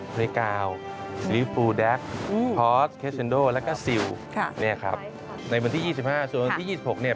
ริกาวซิลิฟูแด็กพอสเคสเซ็นโดแล้วก็ซิลค่ะเนี่ยครับในวันที่๒๕ส่วนวันที่๒๖เนี่ย